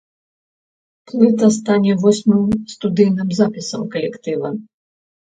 Плыта стане восьмым студыйным запісам калектыва.